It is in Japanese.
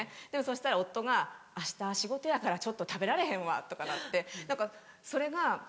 でもそしたら夫が「明日仕事やからちょっと食べられへんわ」とかなって何かそれが。